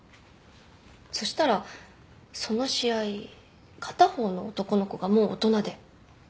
そしたらその試合片方の男の子がもう大人で。